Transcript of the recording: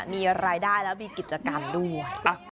มีรายได้แล้วมีกิจกรรมด้วย